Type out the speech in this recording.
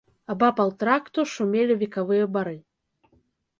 Абапал тракту шумелі векавыя бары.